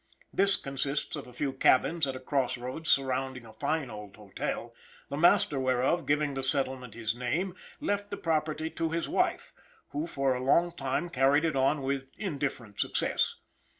This consists of a few cabins at a cross road, surrounding a fine old hotel, the master whereof, giving the settlement his name, left the property to his wife, who for a long time carried it on with indifferent success.